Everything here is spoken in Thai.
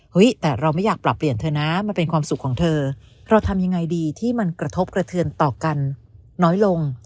เฮ้ยแต่เราไม่อยากปรับเปลี่ยนเท่านั้นนะเราทำยังไงที่มันกระทบกระเทือนต่อกันน้อยลง